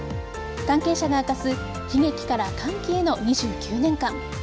関係者が明かす悲劇から歓喜への２９年間。